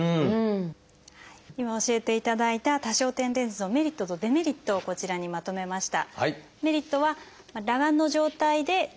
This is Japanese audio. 今教えていただいた多焦点レンズのメリットとデメリットをこちらにまとめました。